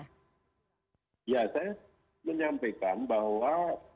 ya saya menyampaikan bahwa